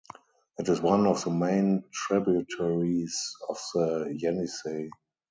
It is one of the main tributaries of the Yenisey.